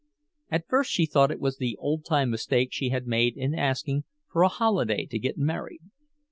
At first she thought it was the old time mistake she had made in asking for a holiday to get married.